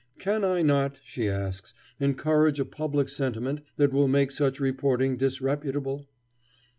Can I not, she asks, encourage a public sentiment that will make such reporting disreputable?